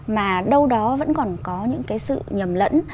mà đâu đó vẫn còn có những cái sự nhầm lẫn